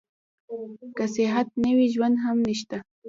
که صحت نه وي ژوند هم نشته.